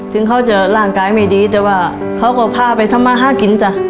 ซึ่งเป็นคำตอบที่